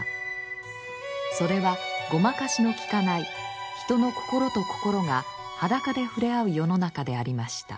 それはごまかしのきかない人の心と心が裸で触れ合う世の中でありました。